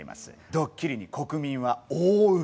ドッキリに国民は大ウケ！